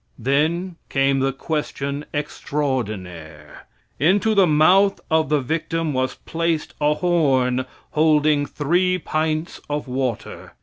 Then came the question extraordinaire. Into the mouth of the victim was placed a horn holding three pints of water.